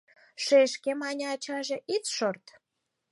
— Шешке, — мане ачаже, — ит шорт.